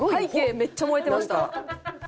めっちゃ燃えてました。